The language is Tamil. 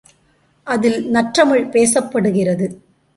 அதில் நற்றமிழ் பேசப்படுகிறது.